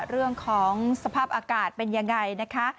เรื่องของสภาพอากาศเป็นยังไงนะคะ